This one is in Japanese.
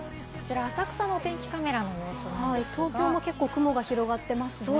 浅草のお天気カメラの様子なんですが、東京は雲が広がっていますが。